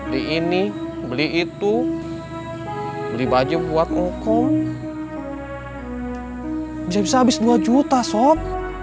di ini beli itu beli baju buat ngokong bisa bisa habis dua juta sop